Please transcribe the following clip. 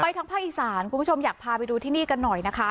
ไปทั้งพระอีสานกลุ่มผู้ชมอยากพาไปดูที่นี่กันหน่อยนะฮะ